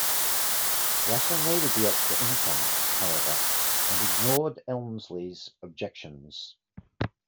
Russell needed the extra income, however, and ignored Elmsley's objections.